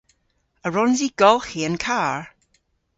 A wrons i golghi an karr?